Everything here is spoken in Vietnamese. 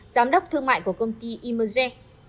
giám đốc thương mại của công ty e merge jack